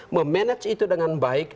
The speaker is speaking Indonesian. memanage itu dengan baik